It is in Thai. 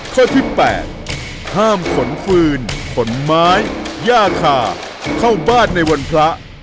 ข้อที่๘ห้ามขนฟืนขนไม้ย่าคาเข้าบ้านในวันพระ